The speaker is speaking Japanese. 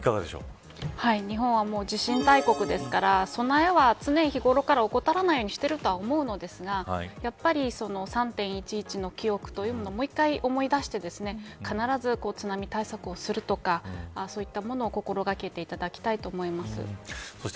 日本は地震大国ですから備えは常日頃から怠らないようにしていると思うのですがやはり、３．１１の記憶というのをもう一度思い出して必ず津波対策をするとかそういったものを心掛けていただきたいと思います。